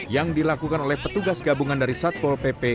yang dilakukan oleh petugas gabungan dari satpol pp